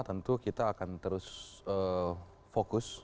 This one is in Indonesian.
tentu kita akan terus fokus